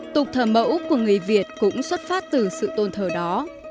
tục thờ mẫu của người việt cũng xuất phát từ sự tôn thờ đó